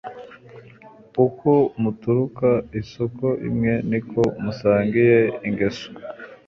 Uko muturuka isoko imwe Ni ko musangiye ingeso.